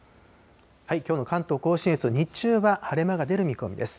きょうの関東甲信越、日中は晴れ間が出る見込みです。